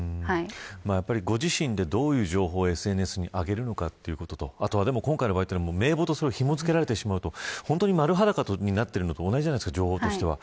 やっぱりご自身でどういう情報をＳＮＳに上げるのかということと今回は名簿とひも付けられてしまうと本当に丸裸になっているのと同じじゃないですか。